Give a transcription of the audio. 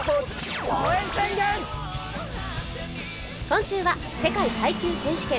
今週は世界耐久選手権。